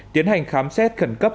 tiến hành khám xét khẩn cấp